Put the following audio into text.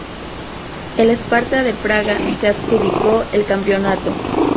El Sparta de Praga se adjudicó el campeonato.